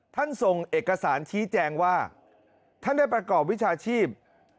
ส่งเอกสารชี้แจงว่าท่านได้ประกอบวิชาชีพ